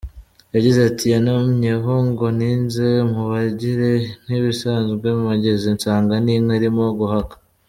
Yagize ati: “Yanumyeho ngo ninze mubagire nk’ibisanzwe, mpageze nsanga n’inka irimo guhaka.